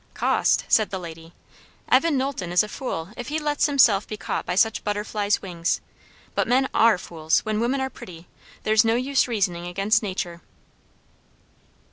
"Cost?" said the lady. "Evan Knowlton is a fool if he lets himself be caught by such butterfly's wings. But men are fools when women are pretty; there's no use reasoning against nature."